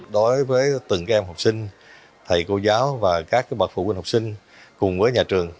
đối với từng em học sinh thầy cô giáo và các bậc phụ huynh học sinh cùng với nhà trường